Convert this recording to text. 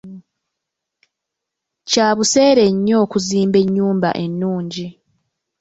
Kya buseere nnyo okuzimba ennyumba ennungi .